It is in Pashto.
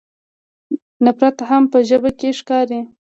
نفرت هم په ژبه کې ښکاري.